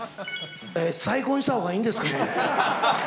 再婚したほうがいいんですかね？